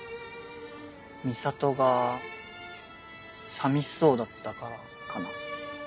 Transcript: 美里が寂しそうだったからかな。